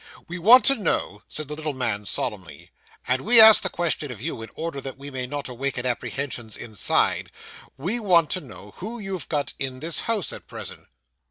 'We want to know,' said the little man solemnly; 'and we ask the question of you, in order that we may not awaken apprehensions inside we want to know who you've got in this house at present?